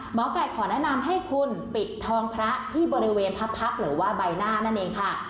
หมอไก่ขอแนะนำให้คุณปิดทองพระที่บริเวณพระพักษ์หรือว่าใบหน้านั่นเองค่ะ